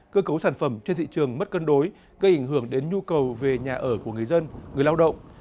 cơ cấu sản phẩm trên thị trường mất cân đối gây ảnh hưởng đến nhu cầu về nhà ở của người dân người lao động